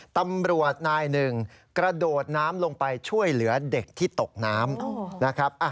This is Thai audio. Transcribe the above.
ตำรวจนายหนึ่งกระโดดน้ำลงไปช่วยเหลือเด็กที่ตกน้ำนะครับ